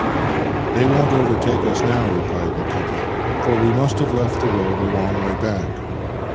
" They won't overtake us now," replied Nikita, " for we must have left the road a long way back.